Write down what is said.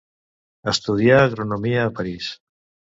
Estudià agronomia a París.